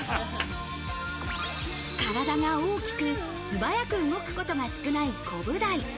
体が大きく、素早く動くことが少ないコブダイ。